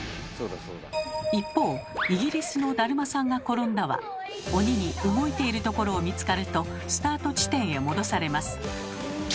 一方イギリスの「だるまさんがころんだ」は鬼に動いているところを見つかるとスタート地点へ戻されます。